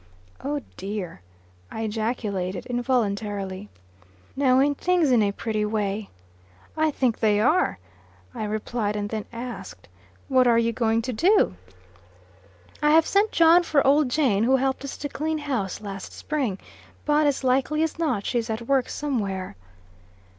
"Oh, dear!" I ejaculated, involuntarily. "Now, a'nt things in a pretty way?" "I think they are," I replied, and then asked, "what are you going to do?" "I have sent John for old Jane, who helped us to clean house last spring. But, as likely as not, she's at work somewhere."